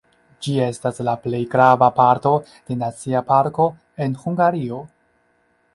Ĝi estas la plej grava parto de nacia parko en Hungario.